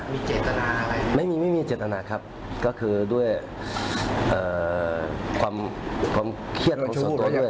มีเจตนาอะไรไม่มีไม่มีเจตนาครับก็คือด้วยความความเครียดของส่วนตัวด้วย